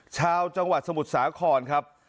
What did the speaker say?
ชาวจังหวัดสมุทรสาครครับ